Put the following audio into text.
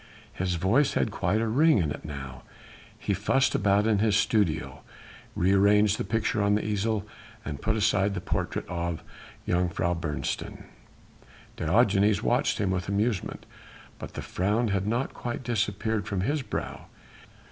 His voice had quite a ring in it now; he fussed about in his studio, re arranged the picture on the easel, and put aside the portrait of Jongejuffrouw Beresteyn; Diogenes watched him with amusement, but the frown had not quite disappeared from his brow.